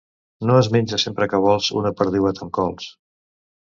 No es menja sempre que vols una perdiueta amb cols.